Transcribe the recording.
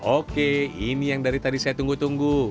oke ini yang dari tadi saya tunggu tunggu